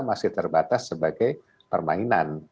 masih terbatas sebagai permainan